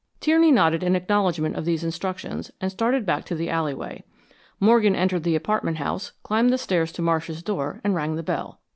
Tierney nodded in acknowledgment of these instructions and started back to the alleyway. Morgan entered the apartment house, climbed the stairs to Marsh's door, and rang the bell.